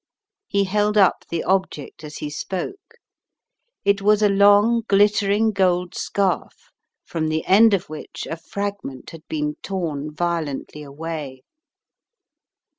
He held up the object as he spoke. It was a long, glittering gold scarf from the end of which a fragment had been torn violently away.